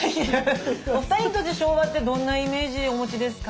お二人にとって昭和ってどんなイメージお持ちですか？